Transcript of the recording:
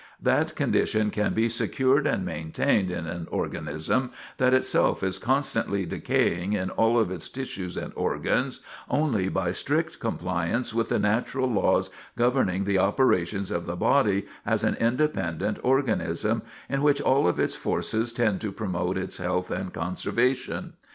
That condition can be secured and maintained in an organism that itself is constantly decaying in all of its tissues and organs only by strict compliance with the natural laws governing the operations of the body as an independent organism in which all of its forces tend to promote its health and conservation.